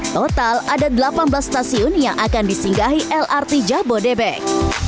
total ada delapan belas stasiun yang akan disinggahi lrt jabodebek